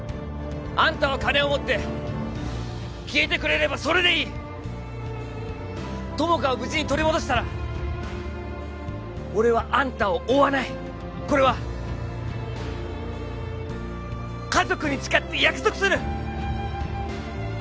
アンタは金を持って消えてくれればそれでいい友果を無事に取り戻したら俺はアンタを追わないこれは家族に誓って約束する！